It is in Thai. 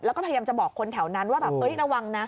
แล้วก็พยายามจะบอกคนแถวนั้นว่าแบบระวังนะ